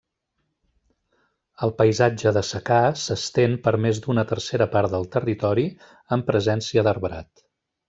El paisatge de secà s'estén per més d'una tercera part del territori amb presència d'arbrat.